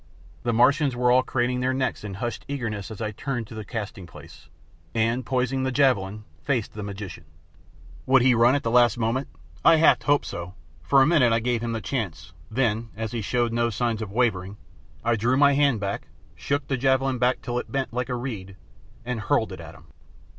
The Martians were all craning their necks in hushed eagerness as I turned to the casting place, and, poising the javelin, faced the magician. Would he run at the last moment? I half hoped so; for a minute I gave him the chance, then, as he showed no sign of wavering, I drew my hand back, shook the javelin back till it bent like a reed, and hurled it at him.